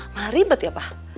malah ribet ya pa